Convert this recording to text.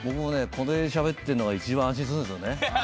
これでしゃべってるのが一番安心するんすよね。